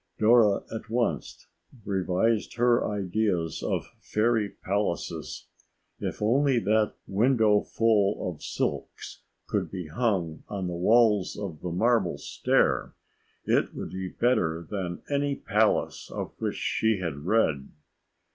Dora at once revised her ideas of fairy palaces. If only that windowful of silks could be hung on the walls of the marble stair, it would be better than any palace of which she had read.